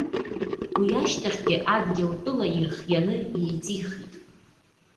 Уи ашьҭахьгьы, адгьылтәыла ирхианы иеиҵихит.